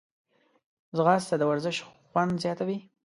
ځغاسته د ورزش خوند زیاتوي